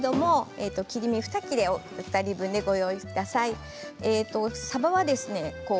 さば切り身２切れを２人分でご用意ください。